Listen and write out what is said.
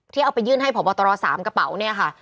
ที่เอาไปยื่นให้พบตร๓กระเป๋าเนี่ยค่ะ